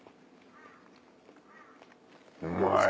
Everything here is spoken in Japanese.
うまい。